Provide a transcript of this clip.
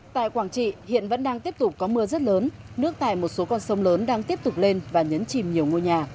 tại quảng trị hiện vẫn đang tiếp tục có mưa rất lớn nước tại một số con sông lớn đang tiếp tục lên và nhấn chìm nhiều ngôi nhà